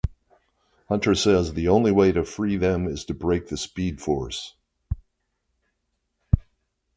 Hunter says the only way to free them is to break the Speed Force.